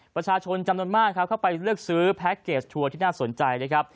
ประชาชนจำนวนมากครับเข้าไปเลือกซื้อแพ็คเกจทัวร์ที่น่าสนใจนะครับ